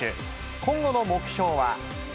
今後の目標は。